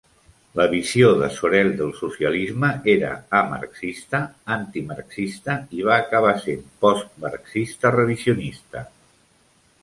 La visió de Sorel del socialisme era "a-marxista, antimarxista i va acabar sent postmarxista revisionista".